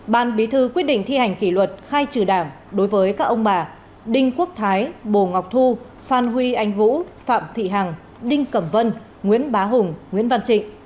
ban bí thư quyết định thi hành kỷ luật khai trừ đảng đối với các ông bà đinh quốc thái bồ ngọc thu phan huy anh vũ phạm thị hằng đinh cẩm vân nguyễn bá hùng nguyễn văn trịnh